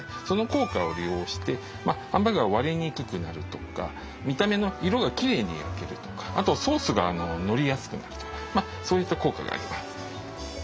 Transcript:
その効果を利用してハンバーグが割れにくくなるとか見た目の色がきれいに焼けるとかあとソースがのりやすくなるとかそういった効果があります。